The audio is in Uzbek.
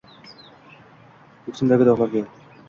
Koʼksimdagi dogʼlarga